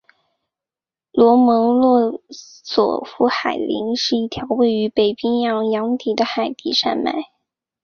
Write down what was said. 罗蒙诺索夫海岭是一条位于北冰洋洋底的海底山脉。